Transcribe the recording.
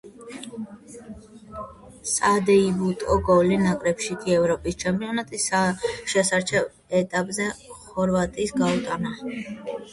სადებიუტო გოლი ნაკრებში კი ევროპის ჩემპიონატის შესარჩევ ეტაპზე ხორვატიას გაუტანა.